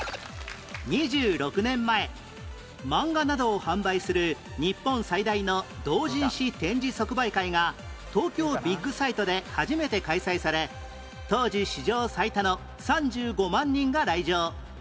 ２６年前漫画などを販売する日本最大の同人誌展示即売会が東京ビッグサイトで初めて開催され当時史上最多の３５万人が来場